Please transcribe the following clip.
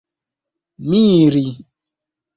miri